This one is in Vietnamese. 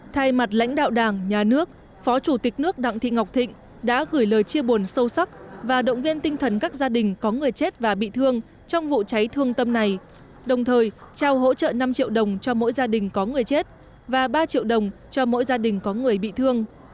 thay mặt lãnh đạo đảng nhà nước phó chủ tịch nước đặng thị ngọc thịnh đã gửi lời chia buồn sâu sắc và động viên tinh thần các gia đình có người chết và bị thương trong vụ cháy thương tâm này đồng thời trao hỗ trợ năm triệu đồng cho mỗi gia đình có người chết và ba triệu đồng cho mỗi gia đình có người bị thương